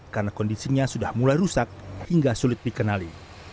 karena kondisinya sudah mulai rusak hingga sulit dikenali